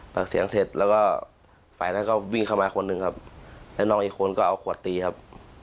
ปากเสียงเสร็จแล้วก็ฝ่ายนั้นก็วิ่งเข้ามาคนหนึ่งครับแล้วน้องอีกคนก็เอาขวดตีครับ